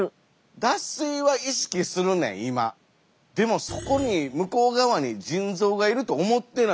でもそこに向こう側に腎臓がいると思ってないんで。